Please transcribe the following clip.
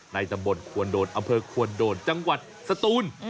ตำบลควนโดนอำเภอควนโดนจังหวัดสตูน